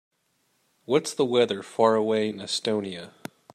What's the weather far away in Estonia?